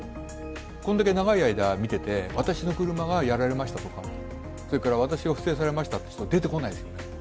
これだけ長い間、見てて、私の車がやられましたとか私が不正されましたという人が出てこないですよね。